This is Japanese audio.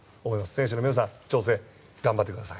選手の皆さん挑戦、頑張ってください。